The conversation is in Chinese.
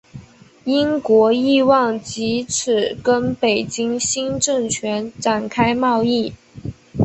英国冀望藉此跟北京新政权展开贸易。